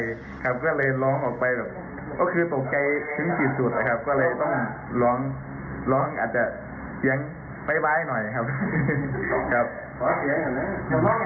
ครับก็เลยร้องออกไปแบบก็คือตกใจที่สุดนะครับก็เลยต้องร้อง